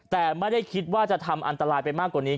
แต่ไม่ได้คิดว่าจะทำอันตรายไปมากกว่านี้